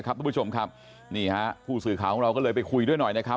คุณผู้ชมครับนี่ฮะผู้สื่อข่าวของเราก็เลยไปคุยด้วยหน่อยนะครับ